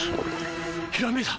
ひらめいた！